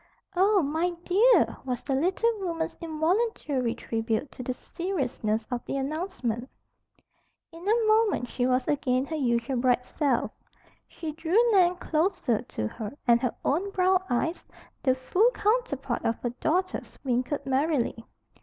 "Oh, my dear!" was the little woman's involuntary tribute to the seriousness of the announcement. In a moment she was again her usual bright self. She drew Nan closer to her and her own brown eyes, the full counterpart of her daughter's, winkled merrily.